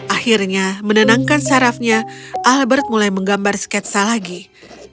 akhirnya menenangkan sarafnya albert mulai menggambar sebuah hidangan yang lezat